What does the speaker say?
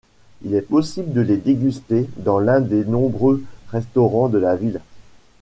Il est possible de les déguster dans l'un des nombreux restaurants de la ville.